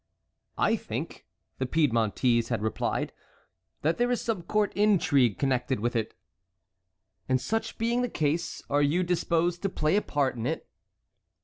"I think," the Piedmontese had replied, "that there is some court intrigue connected with it." "And such being the case, are you disposed to play a part in it?"